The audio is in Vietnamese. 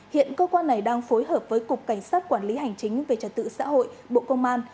hiện cơ quan này đang phối hợp với cục cảnh sát quản lý hành chính về trật tự xã hội bộ công an